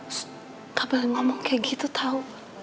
ssst gak boleh ngomong kayak gitu tau